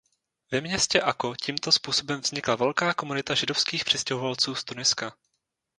Ve městě Akko tímto způsobem vznikla velká komunita židovských přistěhovalců z Tuniska.